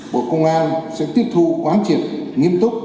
bộ công an sẽ tiếp thu quán triệt nghiêm túc